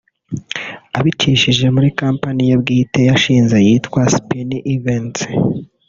Abicishije mu ikompanyi ye bwite yashinze yitwa Spinny Events